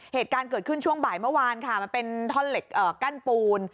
เหตุการณ์เกิดขึ้นช่วงบ่ายเมื่อวานค่ะมันเป็นท่อนเหล็กกั้นปูน